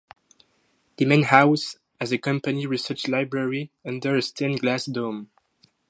The Main House has a company research library under a stained-glass dome.